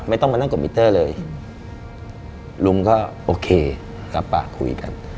ไม่ต้องมานั่งกดมิเตอร์เลยลุงก็โอเครับปากคุยกัน